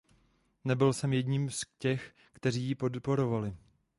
Nebyl jsem jedním z těch, kteří ji podporovali.